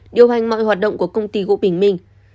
điều hành mọi hoạt động của công ty gỗ bình minh